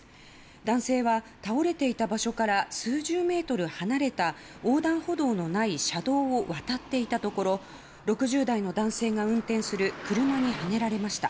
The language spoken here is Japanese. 男性は倒れていた場所から数十メートル離れた横断歩道のない車道を渡っていたところ６０代の男性が運転する車にはねられました。